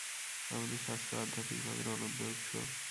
আমাদের শাস্ত্র আধ্যাত্মিক ভাবের অনন্ত উৎস।